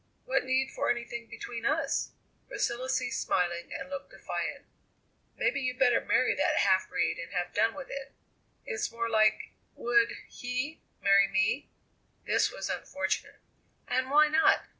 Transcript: What need for anything between us?" Priscilla ceased smiling and looked defiant. "Maybe you better marry that half breed and have done with it." "It's more like would he marry me?" This was unfortunate. "And why not?"